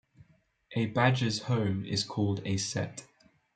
A badger's home is called a set.